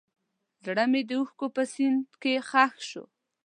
زړه مې د اوښکو په سیند کې ښخ شو.